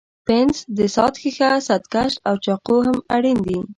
پنس، د ساعت ښيښه، ستکش او چاقو هم اړین دي.